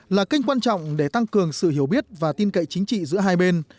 là kênh quan trọng để tăng cường sự hiểu biết và tin cậy chính trị giữa hai bên